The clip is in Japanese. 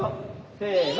せの！